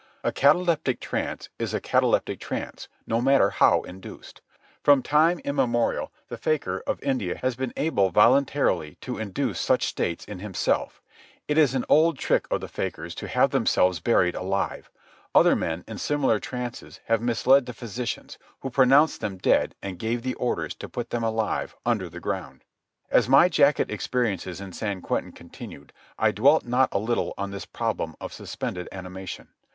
A cataleptic trance is a cataleptic trance, no matter how induced. From time immemorial the fakir of India has been able voluntarily to induce such states in himself. It is an old trick of the fakirs to have themselves buried alive. Other men, in similar trances, have misled the physicians, who pronounced them dead and gave the orders that put them alive under the ground. As my jacket experiences in San Quentin continued I dwelt not a little on this problem of suspended animation.